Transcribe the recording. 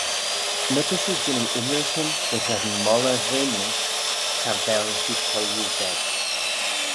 My ta shiu jannoo ynrican dy gheddyn moylley gheiney cha vel shiu toilliu veg.